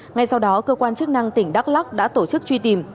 ngay sau đó cơ quan chức năng tỉnh đắk lắc đã tổ chức truy tìm